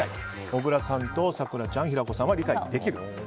小倉さんと咲楽ちゃん平子さんは理解できる。